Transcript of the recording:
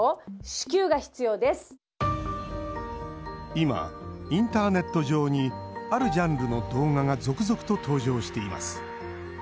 今、インターネット上にあるジャンルの動画が続々と登場しています。